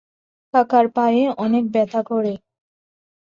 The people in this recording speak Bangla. কাকার পায়ে অনেক ব্যথা করে।